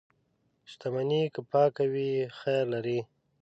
• شتمني که پاکه وي، خیر لري.